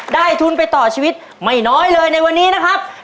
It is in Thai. ทุนไปต่อชีวิตไม่น้อยเลยในวันนี้นะครับ